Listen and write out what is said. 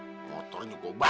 sekalian orang orangnya gue bakar